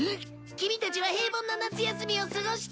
キミたちは平凡な夏休みを過ごしたまえよ。